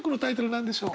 何でしょう？